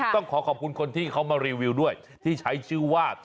ต้องขอขอบคุณคนที่เขามารีวิวด้วยที่ใช้ชื่อว่า